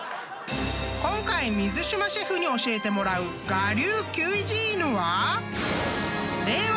［今回水島シェフに教えてもらう我流キュイジーヌは］